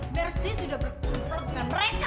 mercy sudah bersumpah dengan mereka